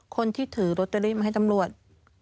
คนที่ถือโรตเตอรี่มาให้ตำรวจ